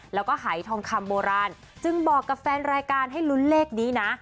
แล้วก็หายทองคำโบราณจึงบอกกับแฟนรายการให้ลุ้นเลขนี้นะ